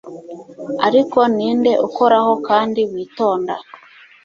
ariko ninde ukoraho kandi witonda